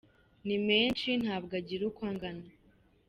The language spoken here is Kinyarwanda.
Ni menshi ntabwo agira uko agana."